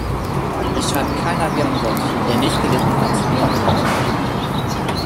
Es schreibt keiner wie ein Gott, der nicht gelitten hat wie ein Hund.